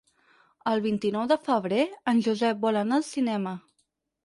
El vint-i-nou de febrer en Josep vol anar al cinema.